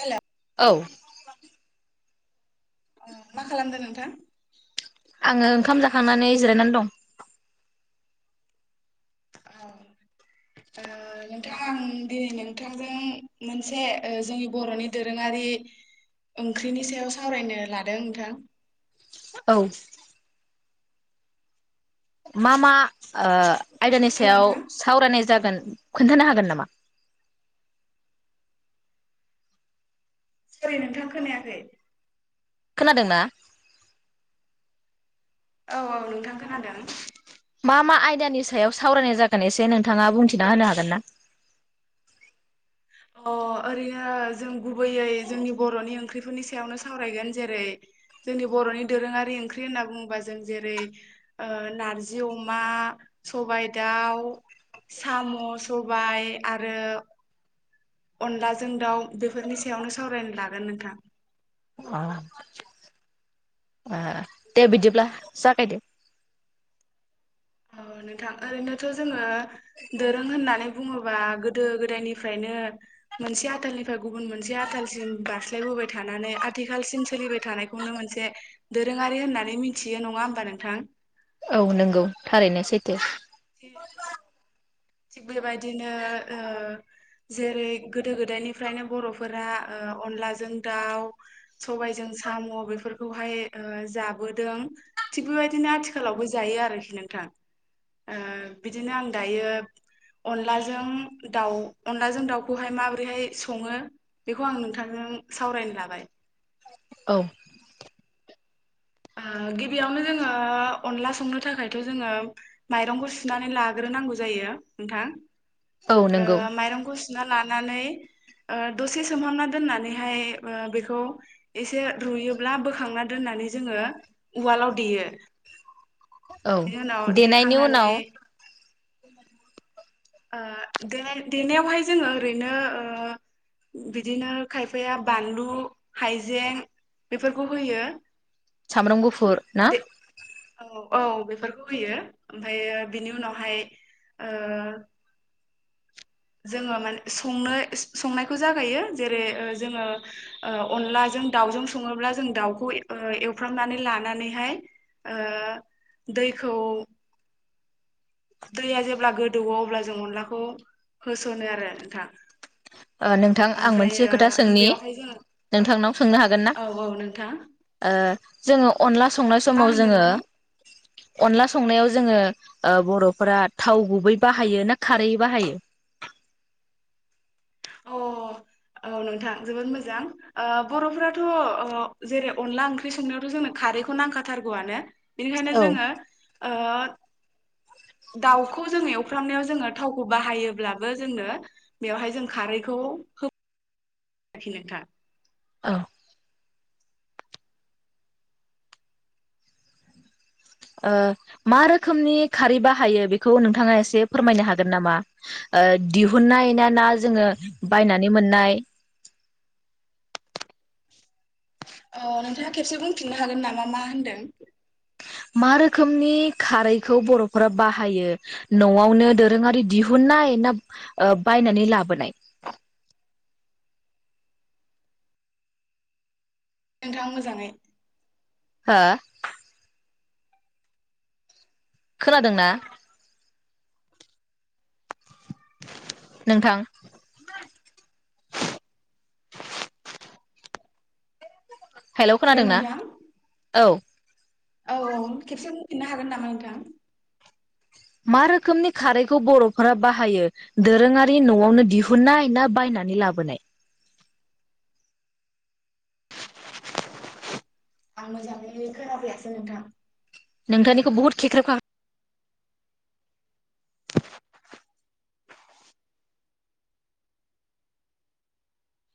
Hello औ अ मा खालामदों नोंथां? आङो ओंखाम जाखांनानै जिरायनानै दं। औ नोंथां आं दिनै नोंथांजों मोनसे ओ-जोंनि बरनि दोरोङारि ओंख्रिनि सायाव सावरायनो लादों नोंथां। औ मा मा ओ- आयदानि हेलौ सायाव नोंथां सावरायनाय जागोन? खोन्थानो हागोन नामा? सरि नोंथां खोनायाखै। खोनादोंना? औ औ नोंथां खोनादों। मा मा आयदानि सायाव सावरायनाय जागोन एसे नोंथाङा बुंथिना होनो हागोन ना? अ ओरैनो जों। गुबैयै जोंनि बरनि ओंख्रि। बेफोरनि सायावनो सावरायगोन जेरै जोंनि बरनि दोरोङारि ओंख्रि होनना बुङोबा जों जेरै ओ-नारजि अमा सबायाइ दाउ साम सबाय आरो। अनलाजों दाउ बेफोरनि सायावनो सावरायनो लागोन नोंथां। अ दे बिदिब्ला जागायदे। औ नोंथां ओरैनोथ' जोङो। दोरों होननानै बुङोबा गोदो गोदायनिफ्रायनो मोनसे आथालनिफ्राय गुबुन मोनसे आाथालसिम बारस्लायबोबाय थानानै आथिखालसिम सोलिबाय थानायखौनो मोनसे दोरोङारि होननानै मिथियो नङा होमबा नोंथां? औ नंगौ थारैनो सैथो। [unintelligible] थिग बेबायदिनो ओ- जेरै गोदो गोदायनिफ्रायनो बरफोरा ओ-अनलाजों दाउ सबायजों साम बेफोरखौहाय ओ-जाबोदों थिग बेबायदिनो आथिखालावबो जायो आरोखि नोंथां। ओ- बिदिनो आं दायो अनलाजों दाउ अनलाजों दाउखौहाय माबोरैहाय सङो बेखौ आं नोंथांजों सावरायनो लाबाय। औ ओ-गिबियावनो जोङो अनला संनो थाखायथ जोङो माइरंखौ सुनानै लाग्रोनांगौ जायो नोंथां। औ नंगौ ओ- माइरंखौ सुनानै लानानै ओ- दसे सोमहाबना दोननानैहाय ओ-बेखौ एसे रुयोब्ला बोखांना दोननानै जोङो उवालाव देयो औ बिनि उनाव देनायनि उनाव। देखांनानै ओ-देनाय देनायावहाय जोङो ओरैनो ओ-बिदिनो खायफाया बानलु हाइजें बेफोरखौ होयो। सामब्रामगुफुर ना? दे औ औ बेफोरखौ होयो ओमफायो बिनि उनावहाय ओ- जोङो माने संनो संनायखौ जागायो जेरै ओ-जोङो ओ-अनलाजों दाउजों सङोब्ला जों दाउखौ ओ- एवफ्रामनानै लानानैहाय ओ- दैखौ दैया जेब्ला गोदौवो अब्ला जों अनलाखौ होसनो आरो नोंथां। ओ- नोंथां आं मोनसे ओमफ्रायो खोथा सोंनि बेवहाय जोङो नोंथांनाव सोंनो हागोन ना? औ औ नोंथां ओ- जोङो। अनला संनाय मा समाव होनदों जोङो। नोंथां अनला संनायाव जोङो ओ- बरफोरा थाव गुबै बाहायो ना खारै बाहायो? अ औ नोंथां जोबोद मोजां ओ-बरफोराथ जेरै अनला ओंख्रि संनायावथ जोंनो खारैखौ नांखाथारगौआनो। बेनिखायनो औ जोङो। ओ दाउखौ जोङ एवफ्रामनायाव जोङो थावखौ बाहायोब्लाबो जोंनो बेवहाय जों खारैखौ हो [unintelligible] औ। ओ मा रोखोमनि खारै बाहायो बेखौ नोंथाङा एसे फोरमायनो हागोन नामा ओ दिहुनन्नाय ना ना जोङो बायनानै मोननाय अ नोंथाङा खेबसे बुंफिननो हागोन नामा मा होनदों? मा रोखोमनि खारैखौ बरफोरा बाहायो? नआवनो दोरोङारि दिहुनाय ना ओ बायनानै लाबोनाय? नोंथां मोजाङै [unintelligible] खोनादोंना? नोंथां। हेलौ नोंथां। औ। औ औ खेबसे बुंफिननो हागोन नामा नोंथां? मा रोखोमनि खारैखौ बरफोरा बाहायो? दोरोङारि नआवनो दिहुनाय ना बायनानै लाबोनाय? आं मोजाङै खोनाफैयासै नोंथां। नोंथांनिखौ बुहुद खेख्रेब ख्रा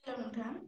हेलौ नोंथां।